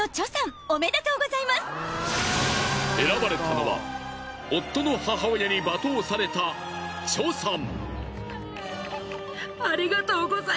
選ばれたのは夫の母親に罵倒されたチョさん。